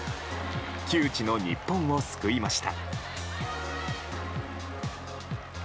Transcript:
窮地の日本を救いました。